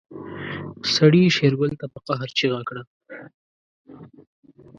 سړي شېرګل ته په قهر چيغه کړه.